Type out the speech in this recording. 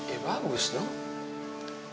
ya bagus tuh